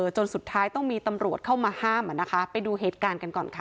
จนสุดท้ายต้องมีตำรวจเข้ามาห้ามไปดูเหตุการณ์กันก่อนค่ะ